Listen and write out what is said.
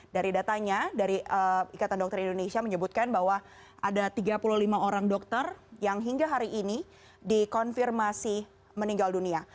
dari datanya dari ikatan dokter indonesia menyebutkan bahwa ada tiga puluh lima orang dokter yang hingga hari ini dikonfirmasi meninggal dunia